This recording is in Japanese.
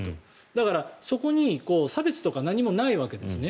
だからそこに差別とか何もないわけですね。